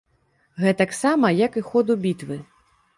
Гэтаксама як і ходу бітвы.